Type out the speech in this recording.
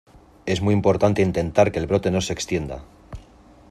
es muy importante intentar que el brote no se extienda.